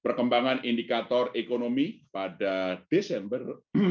perkembangan indikator ekonomi pada desember dua ribu dua puluh dua